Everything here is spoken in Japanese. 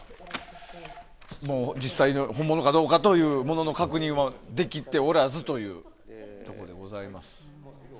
実際、本物かどうかという物の確認はまだできておらずというところでございます。